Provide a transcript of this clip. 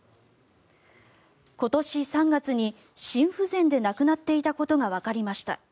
今年３月に心不全で亡くなっていたことがわかりました。